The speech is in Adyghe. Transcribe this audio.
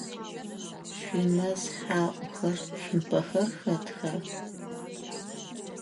Шъуимэз хьаӏухэр, цумпэхэр хэтха?